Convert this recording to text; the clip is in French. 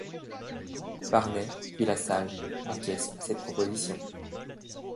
Barney, puis la salle, acquiescent à cette proposition.